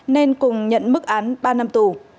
nên cùng nhận mức án ba năm tù